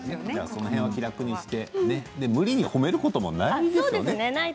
その辺は気楽にして無理に褒めることもないですよね。